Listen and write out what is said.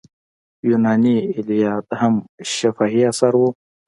یوناني ایلیاد هم شفاهي اثر و.